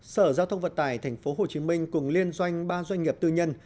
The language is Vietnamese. sở giao thông vật tài tp hcm cùng liên doanh ba doanh nghiệp tư nhân